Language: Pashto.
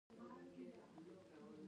دوی پایپ لاینونه ساتي.